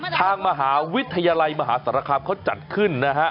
ทางมหาวิทยาลัยมหาสารคามเขาจัดขึ้นนะฮะ